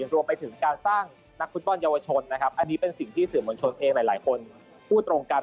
รวมไปถึงการสร้างนักฟุตบอลเยาวชนนะครับอันนี้เป็นสิ่งที่สื่อมวลชนเองหลายคนพูดตรงกัน